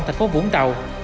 thành phố vũng tàu